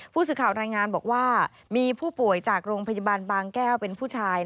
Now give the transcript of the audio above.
ผู้สื่อข่าวรายงานบอกว่ามีผู้ป่วยจากโรงพยาบาลบางแก้วเป็นผู้ชาย